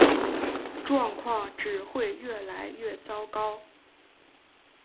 状况只会越来越糟糕